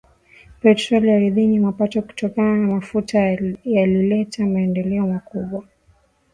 petroli ardhini Mapato kutokana na mafuta yalileta maendeleo makubwa